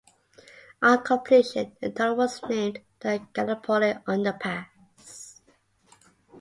On completion, the tunnel was named the "Gallipoli Underpass".